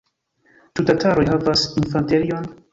Ĉu tataroj havas infanterion?